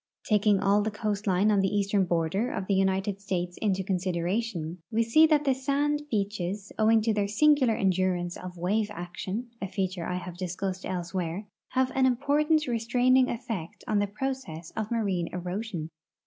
Taking all the coastline on the eastern border of the United States into consideration, we see that the sand beaches, owing to their singular endurance of wave action (a feature I have discussed elsewhere), have an important' restraining efiect on the process of marine erosion.